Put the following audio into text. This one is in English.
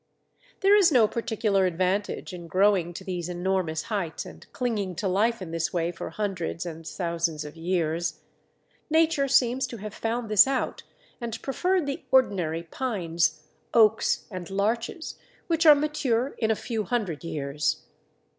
There is no particular advantage in growing to these enormous heights and clinging to life in this way for hundreds and thousands of years. Nature seems to have found this out and preferred the ordinary pines, oaks, and larches, which are mature in a few hundred years.